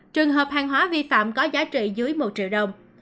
trường hợp hàng hóa vi phạm có giá trị dưới một triệu đồng